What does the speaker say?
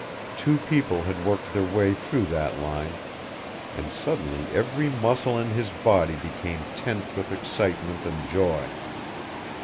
Two people had worked their way through that line, and suddenly every muscle in his body became tense with excitement and joy.